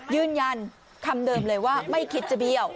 ยืนยันคำเดิมเลยว่าไม่คิดจะเบี้ยว